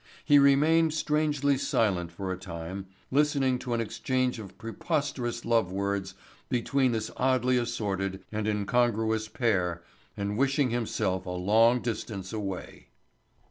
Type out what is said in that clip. He remained strangely silent for a time listening to an exchange of preposterous love words between this oddly assorted and incongruous pair and wishing himself a long distance away.